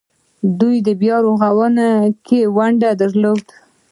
دوی په بیارغونه کې ونډه درلوده.